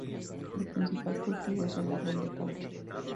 El principal cultivo es el árbol de caucho.